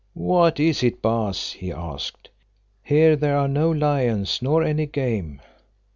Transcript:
"What is it, Baas?" he asked. "Here there are no lions, nor any game."